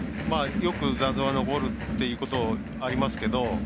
よく残像が残るっていうことがありますけど。